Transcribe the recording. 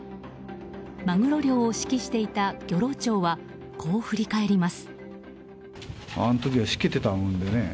マグロ漁を指揮していた漁労長はこう振り返ります。